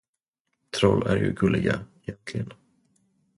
Troll är ju gulliga, egentligen.